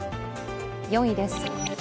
４位です。